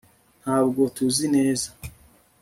ntabwo tuzi neza